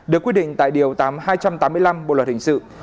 được quy định tại điều tám hai trăm tám mươi năm bộ luật hình sự